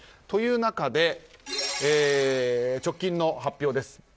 という中で、直近の発表です。